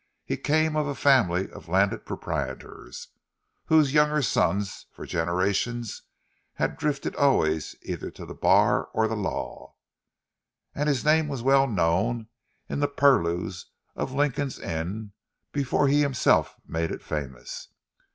He came of a family of landed proprietors, whose younger sons for generations had drifted always either to the Bar or the Law, and his name was well known in the purlieus of Lincoln's Inn before he himself had made it famous.